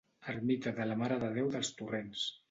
Ermita de la Mare de Déu dels Torrents.